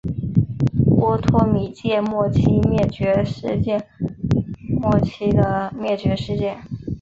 波托米阶末期灭绝事件末期的灭绝事件。